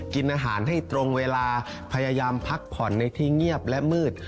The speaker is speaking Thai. กินอาหารให้ตรงเวลาพยายามพักผ่อนในที่เงียบและมืด